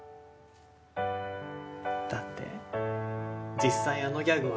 だって実際あのギャグは。